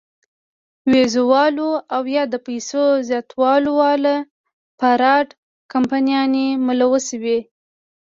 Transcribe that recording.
وېزو واله او يا د پېسو زياتولو واله فراډ کمپنيانې ملوثې وي -